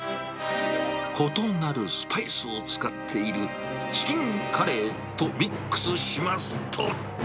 異なるスパイスを使っているチキンカレーとミックスしますと。